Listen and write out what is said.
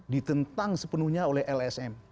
ditentang sepenuhnya oleh lsm